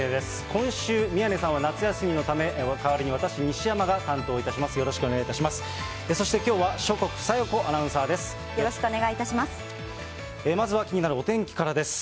今週、宮根さんは夏休みのため、代わりに私、西山が担当いたします。